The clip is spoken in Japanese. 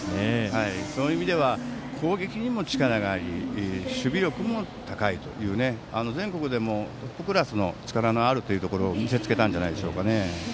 そういう意味では攻撃にも力があり守備力も高いという全国でもトップクラスの力があるというところを見せつけたんじゃないですかね。